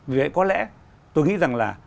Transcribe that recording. vì vậy có lẽ tôi nghĩ rằng là